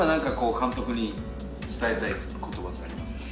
監督に伝えたい言葉ってありますか？